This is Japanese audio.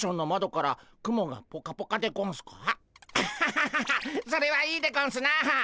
アハハハそれはいいでゴンスな。